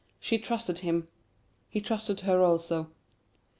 She trusted him. He trusted her also.